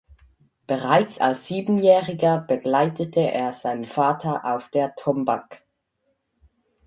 Bereits als Siebenjähriger begleitete er seinen Vater auf der Tombak.